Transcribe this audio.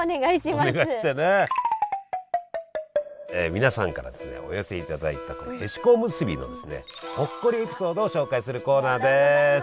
皆さんからお寄せいただいたへしこおむすびのほっこりエピソードを紹介するコーナーです！